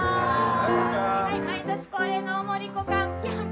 毎年恒例の大森っ子キャンプ